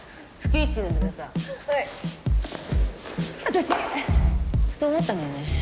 私ふと思ったんだよね。